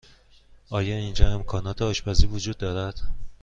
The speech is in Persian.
آیا اینجا امکانات آشپزی وجود دارد؟